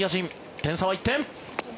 点差は１点。